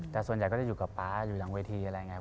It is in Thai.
แต่ส่วนใหญ่ก็จะอยู่กับป๊าอยู่หลังเวทีอะไรอย่างนี้